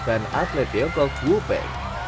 dan atlet dianggap wu pei